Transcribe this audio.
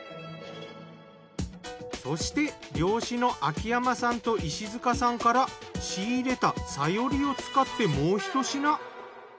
そして漁師の秋山さんと石塚さんから仕入れたサヨリを使ってもう一品。